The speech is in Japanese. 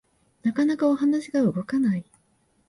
なかなかお話が動かない